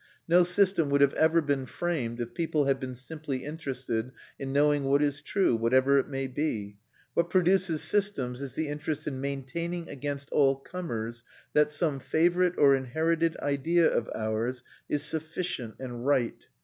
No system would have ever been framed if people had been simply interested in knowing what is true, whatever it may be. What produces systems is the interest in maintaining against all comers that some favourite or inherited idea of ours is sufficient and right.